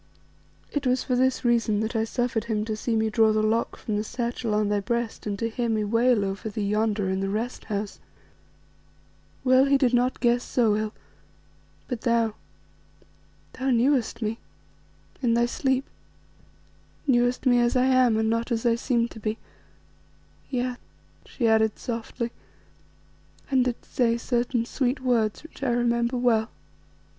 It was for this reason that I suffered him to see me draw the lock from the satchel on thy breast and to hear me wail over thee yonder in the Rest house. Well he did not guess so ill, but thou, thou knewest me in thy sleep knewest me as I am, and not as I seemed to be, yes," she added softly, "and didst say certain sweet words which I remember well."